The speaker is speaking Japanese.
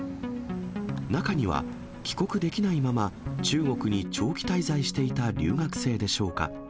中には、帰国できないまま、中国に長期滞在していた留学生でしょうか。